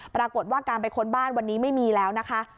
ปรากฏว่าการไปค้นบ้านวันนี้ไม่มีแล้วนะคะ